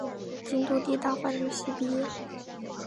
京都帝大法律系毕业。